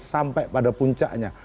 sampai pada puncaknya